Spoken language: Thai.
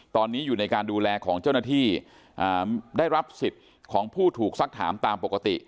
ตอนนี้อยู่ในการดูแลของเจ้าหน้าที่ได้รับสิทธิ์ของผู้ถูกสักถามตามปกติ